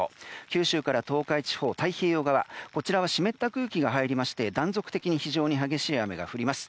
九州から東海地方、太平洋側には湿った空気が入りまして断続的に非常に激しい雨が降ります。